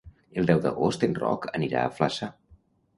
El deu d'agost en Roc anirà a Flaçà.